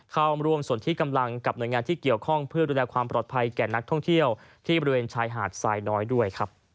เข้าร่วมส่วนที่กำลังกับหน่วยงานที่เกี่ยวข้องเพื่อดูแลความปลอดภัยแก่นักท่องเที่ยวที่บริเวณชายหาดทรายน้อยด้วยครับ